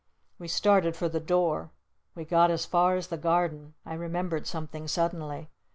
We started for the door. We got as far as the Garden. I remembered something suddenly.